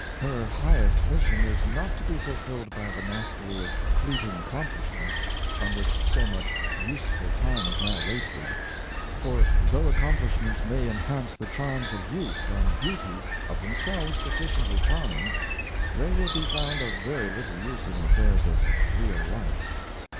Her highest mission is not to be fulfilled by the mastery of fleeting accomplishments, on which so much useful time is now wasted; for, though accomplishments may enhance the charms of youth and beauty, of themselves sufficiently charming, they will be found of very little use in the affairs of real life.